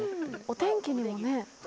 お天気にもね。